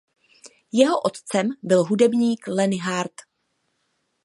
Jeho otcem byl bubeník Lenny Hart.